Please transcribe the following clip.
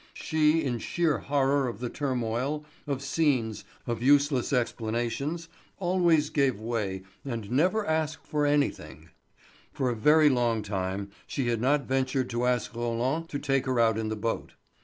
She, in sheer horror of the turmoil, of scenes, of useless explanations, always gave way and never asked for anything; for a very long time she had not ventured to ask Roland to take her out in the boat.